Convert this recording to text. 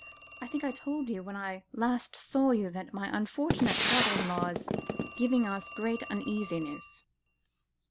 I think I told you when I last saw you, that my unfortunate brother in law is giving us great uneasiness."